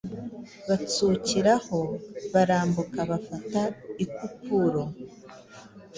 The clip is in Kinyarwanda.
Batsukiraho barambuka, bafata i Kupuro.»